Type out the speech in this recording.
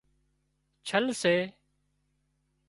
ڇل سي